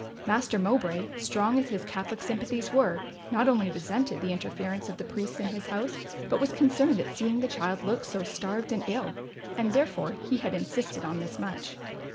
Master Mowbray, strong as his Catholic sympathies were, not only resented the interference of the priests in his house, but was concerned at seeing the child look so starved and ill, and therefore he had insisted on this much.